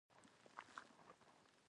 زه د معلمې د مشورو ارزښت پېژنم.